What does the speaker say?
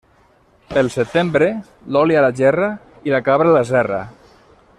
Pel setembre, l'oli a la gerra i la cabra a la serra.